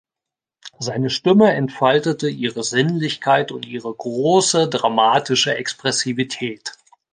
Seine Stimme entfaltete ihre Sinnlichkeit und ihre große dramatische Expressivität.